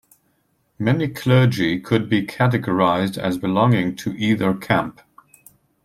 Many clergy could be categorised as belonging to either camp.